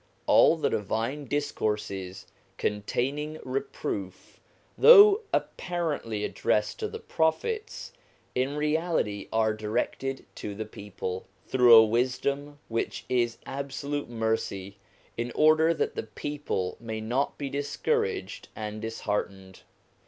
All the divine discourses containing re proof, though apparently addressed to the Prophets, in reality are directed to the people, through a wisdom which is absolute mercy, in order that the people may not be discouraged and disheartened.